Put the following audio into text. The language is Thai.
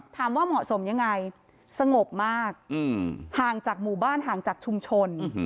ถามว่าเหมาะสมยังไงสงบมากห่างจากหมู่บ้านห่างจากชุมชน